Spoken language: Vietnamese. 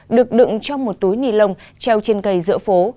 được đựng trong một túi nilon treo trên cầy giữa phố